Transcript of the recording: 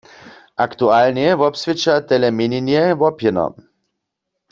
Aktualnje wobswědča tele měnjenje łopjeno.